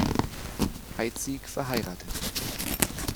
Heidsieck verheiratet.